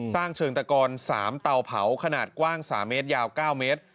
สร้างเชิงตะกอน๓เตาเผาขนาดกว้าง๓เมตรยาว๙เมตร